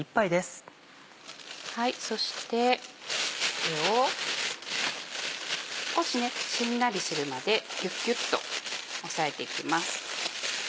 そしてこれを少ししんなりするまでキュキュっと押さえていきます。